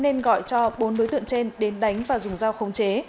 nên gọi cho bốn đối tượng trên đến đánh và dùng dao khống chế